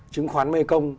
chứng khoán mekong